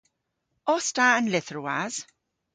Os ta an lytherwas?